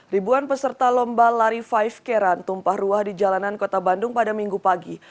ribuan peserta lomba lari lima k run tumpah ruah di jalanan kota bandung pada minggu pagi